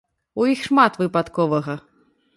У іх шмат выпадковага.